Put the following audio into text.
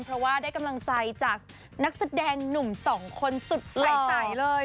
เพราะว่าได้กำลังใจจากนักแสดงหนุ่มสองคนสุดใสเลย